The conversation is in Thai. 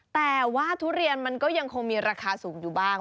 แต่ว่าทุเรียนมันก็ยังคงมีราคาสูงอยู่บ้าง